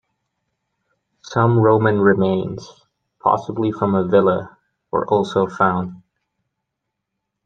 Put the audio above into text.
Some Roman remains, possibly from a villa, were also found.